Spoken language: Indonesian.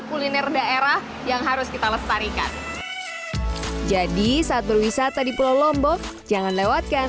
kuliner daerah yang harus kita lestarikan jadi saat berwisata di pulau lombok jangan lewatkan